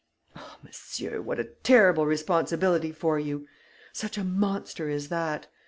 Ah, monsieur, what a terrible responsibility for you! Such a monster as that!